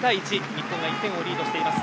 日本が１点をリードしています。